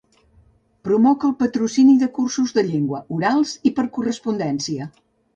Promoc el patrocini de cursos de llengua, orals i per correspondència.